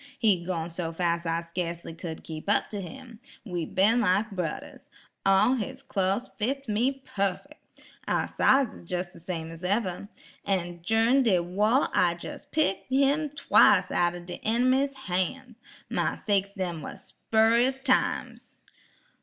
He goin' so fas' I skacely cud keep up tuh him. We bin like brudders. All his clo's fits me puffick! Our size is jes' de same as ever. En jurin' de wah I jes' picked him twice outen de inimy's han's; my sakes dem was spurious times.